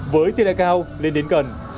với tiền đại cao lên đến gần chín mươi